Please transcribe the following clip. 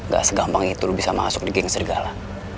gak segampang itu lu bisa masuk di geng serigala